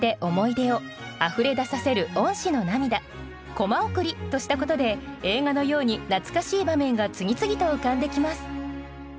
「コマ送り」としたことで映画のように懐かしい場面が次々と浮かんできます。